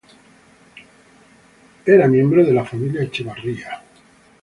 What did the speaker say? Era miembro de la familia Echavarría.